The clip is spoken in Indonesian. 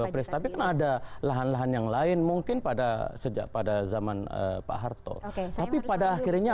pilpres tapi kan ada lahan lahan yang lain mungkin pada sejak pada zaman pak harto tapi pada akhirnya